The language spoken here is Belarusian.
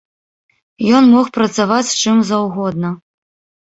Ён мог працаваць з чым заўгодна.